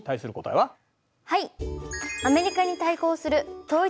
はい。